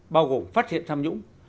bao gồm phát hiện tham nhũng